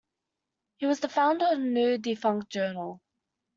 He was the founder of a now-defunct journal.